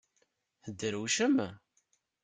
Tedrewcem?